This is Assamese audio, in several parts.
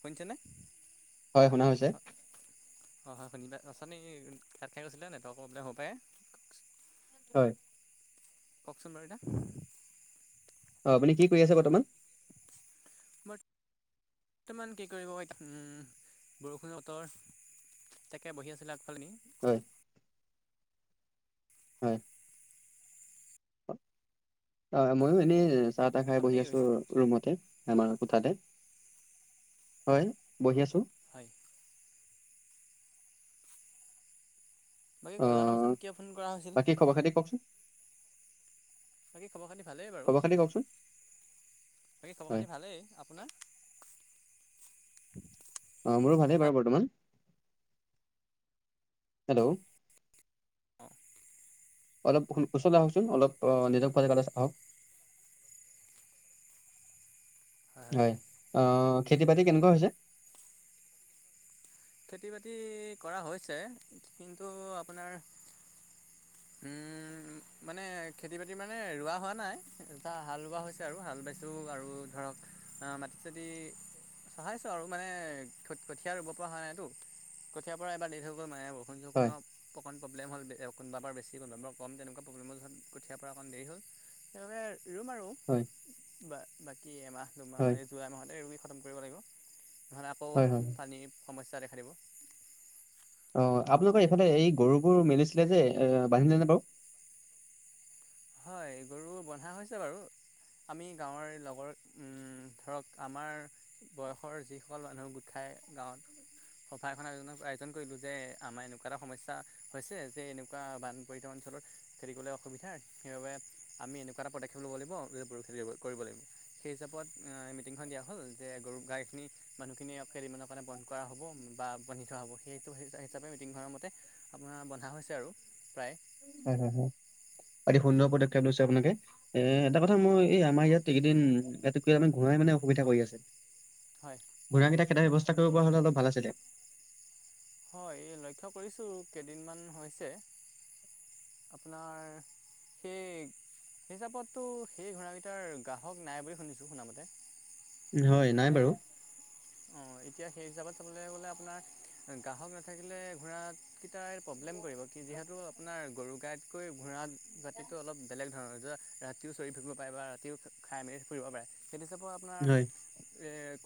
কনি তেনেে হয় শুনা হৈছে অচী তাত খাই গৈছিলে নেটৱৰ্কৰ প্ৰব্লেম হ'ব পাৰে [unintelligible] হয় কওকচোন লদা অ আপুনি কি কৰি আছে বৰ্তমান বৰ্তমান কি কৰিব বৰষুণ অতৰ েকে বহি আছিল [unintelligible] কালনি [unintelligible] হয় হয় হয় ময়ো এনেই চাহ তাহ খাই আপুনি বহি কি আছো কৰিছে? ৰুমতে আমাৰ কোঠাতে হয় বহি আছো হয়। অ বাকী জনাবচোন কিয় ফোন কৰা হৈছিল বাকী খবৰ খাতি কওকচোন বাকী খবৰ খিনি ভালেই বাৰু খবৰ খাতি কওকচোন বাকী খবৰ হয় পাতি ভালেই আপোনাৰ [inaudible] অ মোৰো ভালেই বাৰু বৰ্তমান হেল্ল'। অ' অলপ কুচল আহকচোন অলপ আহ নিজক পাল ক আহক [unintelligible] হয় আহ খেতি বাতি কেনেকুৱা হৈছে খেতি বাতি কৰা হৈছে কিন্তু আপোনাৰ [inaudible] মানে খেতি বাতি মানে ৰোৱা হোৱা নাই এটা হাল ৰোৱা হৈছে আৰু হাল বাইছোঁ আৰু ধৰক মাটি চতি চহাইছো আৰু মানে কঠীয়া ৰুব পৰা হোৱা নাই কঠিয়াৰ পৰা এবাৰ দেৰি হৈ গৈ মাৰে হয় বু য অকণ প্ৰব্লেম হ'ল কোনোবা বেছি কোনোবাৰ ক তেকুৱা প্ৰব্লেমৰ যছ কঠাৰ পৰা অকণ দেৰি হ'লেইবাবে ৰুম আৰু হয় বাকী এমাহ দুমাহ হয় যোৱাাই মাহতে োগী খতম কৰিব লাগিব নহলে আকৌ হয় হয় পানী সমস্যা ৰাখ অ আপোনালোকৰ এইফালে এই গৰুবোৰ মেলিছিলে যে এ বান্ধিলেনেে বাৰু [inaudible] হয় গৰু বন্ধা হৈছে বাৰু আমি গাঁৱৰ লগৰ উ ধৰক আমাৰ বয়সৰ যিসকল মানুহ গোট খাই গাঁৱত সফা এখননৰ আয়োনৰ আয়োজন কৰিলো যে আমাৰ এনেকুৱা এটা সমস্যা হৈছে যে এনেকুৱা বান পৰিধণ অঞ্চলত খেতি কৰিবলে অসুবিধা সেইবাবে আমি এনেকুৱা এটা পদক্ষেপ ল'ব লাগিবেতি কৰিব লাগিব সেই হিচাপত মিটিংখন দিয়া হল যে গৰু গাই খিনি মানুহখিনিয়ে খেলি ম [unintelligible] মানে বন্ধ কৰা হ'ব বা বন্্ধি থোৱা হ'ব সেইটো হিচাপে মিটিংখৰ মতে আপোনাৰ বন্ধা হৈছে আৰু প্ৰায়। উম, হম, হম। অতি সুন্দৰ পদক্ষেপ লৈছে আপোনালে এ এটা কথা হয় মই এই আমাৰ ইয়াত এইকেইদিন ইাত ক আমে ঘোৰাই মানে অসুবিধা কৰি আছে হয় ঘোৰা কেইটা কেইটা ব্ৱস্থা কৰিব পৰা হ'লে অলপ ভাল আছিলে। হয় লক্ষ্য কৰিছো কেইদিনমান হৈছে আপোনাৰ সেই হিচাপততো সেই ঘোঁৰা কিটাৰ গ্ৰাহক নাই বুলি শুনিছো শুন মতে হয় নাই বাৰু অ এতিয়া সেই হিচাপত চাবলৈ গলে আপোনাৰ গ্ৰাহক নাথাকিলে ঘোঁৰাতকেইটাই প্ৰব্লেম কৰিব কি যিহেতু আপোনাৰ গৰু গাইতকৈ ঘোঁৰা জাতিতো অলপ বেলেগ ৰাতিও চৰি ফুৰিিব পাৰে বা ৰাতিও খাই মেলি ফুৰিব পাৰে সেইটো হিচাপৰ আপোনাৰ হয়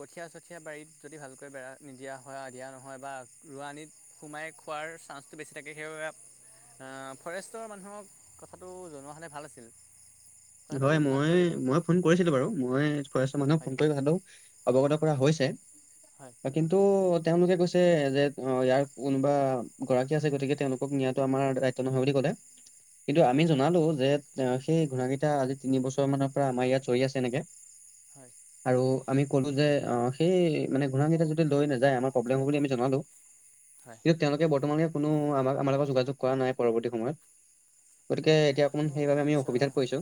কঠীয়া চঠীয়া বাৰীত যদি ভালকৈ বেৰা নিদিয়া হয় দিয়া নহয় বা ৰোৱনিত সোমাই খোৱাৰ চা্সটো বেছি থাকে সেইাবে ফৰেষ্টৰ মানুহক কথাটো জনোৱা হলে ভাল আছিল কথাটো হয় ভাবিব মই লাগিব মই ফোন কৰিছিলো বাৰু মই ছয়শ মানুহ ফোন হয়নি কৰি ভালো অৱগত কৰা হৈছে হয় কিন্তু তেওঁলোকে কৈছে যে অ ইয়াৰ কোনোবা গৰাকী আছে গতিকে তেওঁলোকক নিয়াো আমাৰ দায়িত্ব নহয় বুলি ক'লে কিন্তু আমি জনালো যে সেই ঘোণ কেইটা আজি তিন বছৰ মানৰ পৰা আমাৰ ইয়াত চৰি আছে এনেকে। হয় আৰু আমি কলো যে অ সেই মানে ঘূনা কেইটা যদি লৈ নাযায় আমাৰ প্ৰব্লেম হব বুলি আমি জনালো। হয় কিন্তু তেওঁলোকে বৰ্তমানে কোনো আমাক আমাৰ লগত যোগাযোগ কৰা নাই পৰৱৰ্তী সময়ত। গতিকে এতিয়া অকমাণ অঁ সেইবাবে আমি আচ্ছা অসুবিধাত পৰিছো।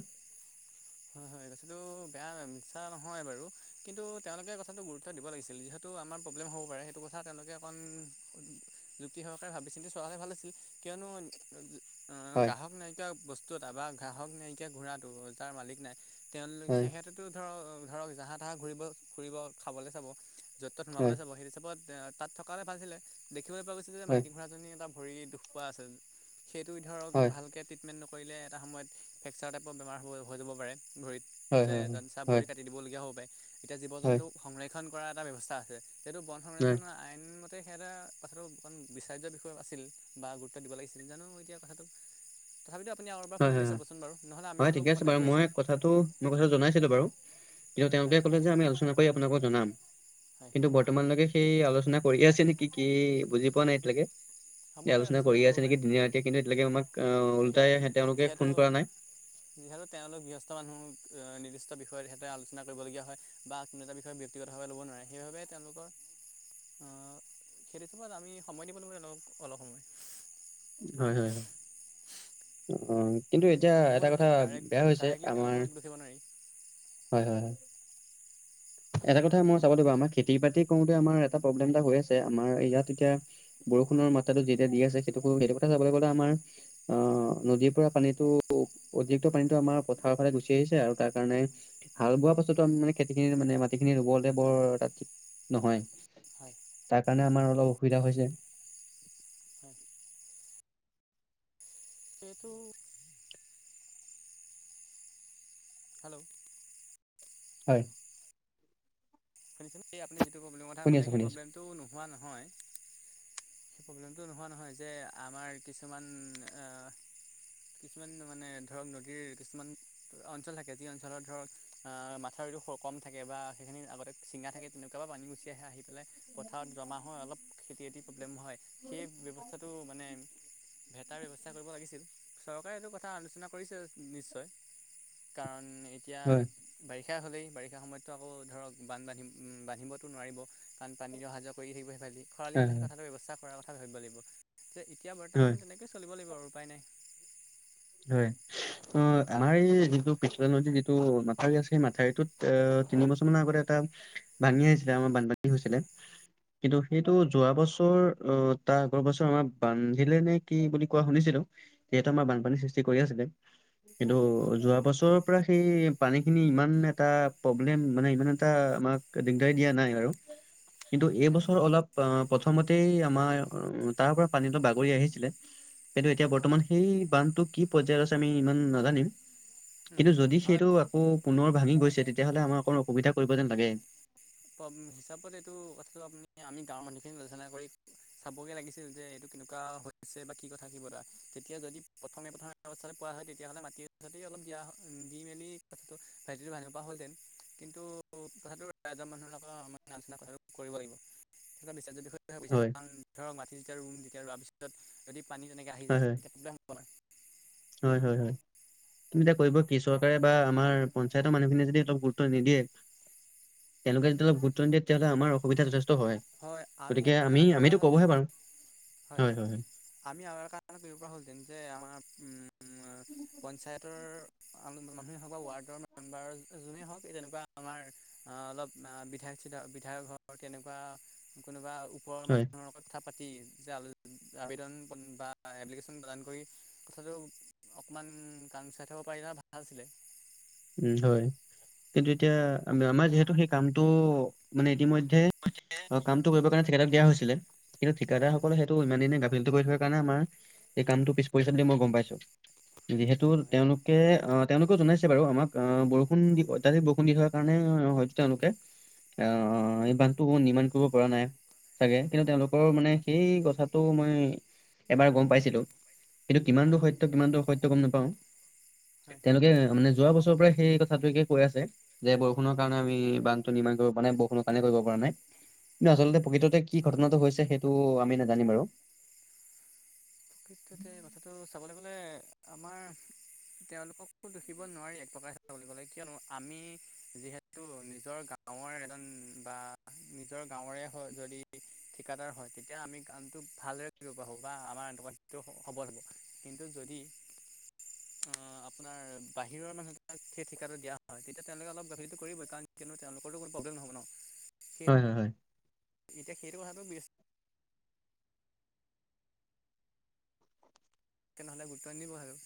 হয় হয় কথাটো বেয়া মিছা নহয় বাৰু, কিন্তু তেওঁলোকে কথাটো গুৰুত্ব দিব লাগিছিল। যিহেতু আমাৰ প্ৰব্লেম হ'ব পাৰে, সেইটো কথা তেওঁলোকে অকণ যুক্তি সহকাৰে ভাবিছিন্তি চৱা হয় ভাল আছিল। কিয় নো অ হয় গ্ৰাহক নাইকিয়া বস্তু এটা বা গ্ৰাহক নাইকিয়া ঘোৰাতটো যাৰ মালিক নাই তেওঁোক হয় সিহঁতো ধৰ ধৰক জাহাঁ তাহাঁ ঘুৰিব ফুৰিব খাবলে চাব য'ত তত সোমাবলৈ হয় যাব সেই হিচাপত তাত থকালে ভালছিলে দেখিবলৈ পোৱা গৈছিল যে হয় মাইকী ঘোঁৰাজনী এটা ভৰি দুখ পোৱা আছে সেইটো ধৰক হয় ভালকৈ ট্ৰটমেট নকৰিলে এটায়ত ফ্ৰেকচাৰ টাইপৰ বেম হ হৈ যাব পাৰে ভৰিীত হয় যে হয় হয় চাহ হয় ভৰি কাটি দিবলগীয়া হ'ব পাৰে এতিয়া জীৱ হয় জন্তু সংৰাক্ষ ণ কৰা এটা ব্যৱস্থা আছে সেইটো বন হয় সংৰক্ষণৰ আইন তে সেয়া এটা কথাটো অকণমান বিচাৰ্যৰ বিষয়ত আছিল বা গুৰুত্ব দিব লাগিছিল জানো এতিয়া কথাটো তথাপিতো আপুনি আৰু এবাৰ হয় ফোন কৰি হয় চাবচোন বাৰু নহ'লে আমি হয় হ'লেও ঠিকে আছে কণ্টেকট বাৰু কৰি মই চাম। কথাটো মই কথাটো জনাইছিলো বাৰু কিন্তু তেওঁলোকে হয় ক'লে যে আমি আলোচনা কৰি আপোনালোকক জনাম। হয় কিন্তু বৰ্তমানলৈকে সেই আলোচনা কৰিয়ে আছে নেকি কি বুজি পোৱা নাই এতিায়ালৈকে। হ'ব পাৰে আলোচনা কৰিয়ে কৰিব আছে নেকি পাৰে দিনে ৰাতি কিন্তু এতিয়কে আমাক এতিয়া উল্টাই যিহেতু যিহেতু তেওঁলোক গৃহস্থ মানুহ নি যথেষ্ট বিষয়ত সিহঁতে আলোচনা কৰিবলগীয়া হয়, বা কোনো এটা বিষয়ে ব্যক্তিগতভাৱে ল'ব নোৱাৰে। সেইবাবে তেওঁলোকৰ সেইটো সময়ত আমি সময় দিব নোৱাৰি অলপো। হয় হয়। অ' কিন্তু এতিয়া তেওঁলোককো এটা দোষী কথা ডাইৰেক্ট বেয়া হৈছে ডাইৰেক্টলি আমাৰ, তেওঁলোকক দোষিব নোৱাৰি হয় হয় হয়। এটা কথা মই চাব দে আমাৰ খেতি বাতি কৰোতে আমাৰ এটা প্ৰব্লেম এটা হৈ আছে। আমাৰ ইয়াত এতিয়া বৰষুণৰ মাত্ৰাতটো যেতিয়া দি আছে সেইটো সেইটো কথা চাবলৈ গ'লে আমাৰ অ নদীৰ পৰা পানীতটো অতিৰিক্ত পানীতো আমাৰ পথাৰৰ ফালে গুচি আহিছে আৰু তাৰ কাৰণে হাল বোৱাৰ পাছতো আমি মানে খেতি মানে মাটিখিনি ৰুবলে বৰ ঠিক নহয়। হয় তাৰ কাৰণে আমাৰ অলপ অসুবিধা হৈছে। হয় [unintelligible] সইটো হেল্ল'? হয়। শুনিছোন এই আপুনি যিটো প্ৰব্লেম কথা শুনি ক'লে, আছো সেই শুনি আছো প্ৰব্লেমটো নোহোৱা নহয়। সেই প্ৰব্লেমটো নোহোৱা নহয় যে আমাৰ কিছুমান কিছুমান মানে ধৰক নদীৰ কিছুমান অঞ্চল থাকে যি অঞ্চলত ধৰক আহ মাথাউৰি কম থাক বা সেইখিনি আগতে চিঙা থাকে তেনেকুৱা পৰা পানী গুচি আহে। আহি পেলাই পথাৰত জমা হৈ অলপ খেতি বাতি প্ৰব্লেম হয়, সেই ব্যৱস্থাটো মানে ভেটাৰ ব্যৱস্থা কৰিব লাগিছিল। চৰকাৰে এইটো কথা আলোচনা কৰিছে নিশ্চয়, কাৰণ এতিয়া হয় বাৰ সেয়া হ'লেই, বাৰিষা সময়তো আকৌ ধৰক বান বান্ধি বান্ধিবতো নোৱাৰিব কাৰণ পানী অহা যোৱা কৰি থাকিব। ভ ল [unintelligible] দিব হয় হয় হয় লাগিব আৰু উপায় নাই। হয়। অ' আমাৰ এই যিটো পিছফালে নদীত যিটো মথাউৰি আছে সেই মাথাউটোত তিনি বছৰ মানৰ আগতে এটা ভাঙি আহিছিলে, আমাৰ বানপানী হৈছিলে। কিন্তু সেইটো যোৱা বছৰ অ তাৰ আগৰ বছৰ আমাৰ বান্ধিলে নে কি বুলি কোৱা শুনিছিলো। যিহেতু আমাৰ বানপানীৰ সৃষ্টি কৰি আছিলে। কিন্তু যোৱা বছৰৰ পৰা সেই পানী খিনি ইমান এটা প্ৰব্লেম মানে ইমান এটা আমাক দিগদাৰ দিয়া নাই বাৰু। কিন্তু হয় এইবছৰ অলপ প্ৰথমতেই আমাৰ তাৰ পৰা পানীত বাগৰি আহিছিলে। কিন্তু এতিয়া হয় বৰ্তমান সেই বান্ধটো কি পৰ্যায়ত আছে আমি ইমান নাজানিম। কিন্তু উম যদি হয়। সেইটো আকৌ পুনৰ ভাঙি গৈছে তেতিয়াহ'লে আমাৰ অকণ অসুবিধা কৰিব যেন লাগে। হিচাপত এইটো কথাটো আপুনি আমি গাঁৱৰ মানুহখিনি আলোচনা কৰি চাবগে লাগিছিল যে এইটো কেনেকুৱা হৈছে বা কি কথা কিব দৰা তেতিয়া যদি প্ৰথমে প্ৰথমে অৱস্থালৈ পোৱা হয় তেতিয়াহ'লে মাটিৰ চাটি অলপ দিয়া দি মেলি। [unintelligible] ভানুৱা হল যেন কিন্তু কথাটোৰ মানুহৰ [unintelligible] কৰিব লাগিব স বিশ্ব বিষয়টোছে হয় কাৰণ ধৰক ম যেতিয়া ৰুম, ৰোৱাৰ পিছত যদি পানী তেনেকৈ আহি হয় যায় হয় তেতিয়া প্ৰব্লেম হ'ব ন। তুমি এয়া কৰিব কি, চৰকাৰে বা আমাৰ পঞ্চায়তৰ মানুহখিনিয়ে যদি অলপ গুৰুত্ব নিদিয়ে। তেওঁলোকে যদি অলপ গুৰুত্ব নিদিয়ে তেতিায়া হ'লে আমৰ অসুবিধাথেষ্ট হয় আমি আৰু এটা কাম কৰিব পৰা হ'ল হেতেন, ক'বহে পাৰো হয় আমি আৰু এটা কাম কৰিব পৰা হ'লতেন যে আমাৰ পঞ্চায়তৰ। মানুহে হওক বা ৱাৰ্ডৰ মেম্বাৰ যোনেই হওক এই তেনেকুৱা আমাৰ অ', অলপ বিধায়ক বিধায়ক ঘ তেনেকুৱা কোনোবা ওপৰৰ হয় মানুহৰ লগত থাপ পাতি আবেদন বা এপ্লিকেশ্যন প্ৰদান কৰি কথাটো অকণমান কাম চাই থব পাৰিলে ভাল আছিলে। উ হয়, কিন্তু এতিয়া আমাৰ যিহেতু সেই কামটো মানে ইতিমধ্যে কামটো কৰিব কাৰণে ঠিকাদাৰক দিয়া হৈছিলে কিন্তু হয় ঠিকাদাৰ সকলে সেইটো ইমান দিনে কৰি থোৱাৰ কাৰণে আমাৰ এই কামটো পিছ পৰিছে বুলি মই গম পাইছোঁ যিহেতু হয় তেওঁলোকে অ', তেওঁলোকেও জনাইছে বাৰু আমাক আহ বৰষুণ দি অত্যাধিক বৰষুণ দি থোৱা কাৰণে হয়তো তেওঁলোকে আহ, এই বান্ধটো নিৰ্মাণ কৰিব পৰা নাই। চাগে কিন্তু তেওঁলোকৰ মানে হয় সেই কথাটো মই এবাৰ গম পাইছিলোঁ। কিন্তু কিমান দূৰ হয় সত্য কিমান দূৰ অসত্য গম নাপাওঁ হয় তেওঁলোকে মানে যোৱা বছৰ পৰা সেই কথাটোে কৈ আছে যে বৰষুণৰ কাৰণে আমি বানটো নিৰ্মাণ কৰিব পৰা নাই বৰষুণৰ কাৰণে কৰিব পৰা নাই। কিন্তু হয় আচলতে প্ৰকৃততে কি ঘটনাটো হৈছে সেইটো আমি নাজানিম আৰু [unintelligible] [inaudible] আমাৰ। তেওঁলোককো দেখিব নোৱাৰি এক প্ৰকাৰে বুলি কলে কিয়নো আমি যিহেতু নিজৰ গ গাঁৱৰ এজন বা নিজৰ গাঁৱৰে হয় যদি ঠিকাদাৰ হয় তেতিয়া আমি কামটো ভালদৰে কৰিব পৰা হ'ব বা আমাৰ এনেকুৱা সেইটো সবল হ'ব কিন্তু যদি অ', আপোনাৰ বাহিৰৰ মানুহ তাক সেই ঠিকাটো দিয়া হয় তেতিয়া তেওঁলোকে অলপ গাভৰিটো কৰিবই কাৰণ কিয়নো তেওঁলোকতো কোনো প্ৰব্লেম নহ'ব ন। সেই হয় হয় হয় এতিয়া সেইটো কথাটো তেনেহ'লে গোটাই নিব আৰু